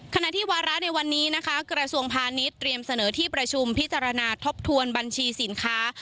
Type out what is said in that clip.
ขณะที่วาระในวันนี้นะคะกระทรวงพาณิชยเตรียมเสนอที่ประชุมพิจารณาทบทวนบัญชีสินค้า